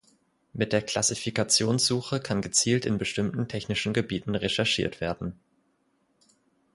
Mit der Klassifikations-Suche kann gezielt in bestimmten technischen Gebieten recherchiert werden.